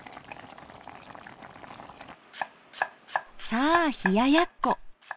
さあ冷ややっこ。